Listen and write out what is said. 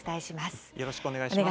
よろしくお願いします。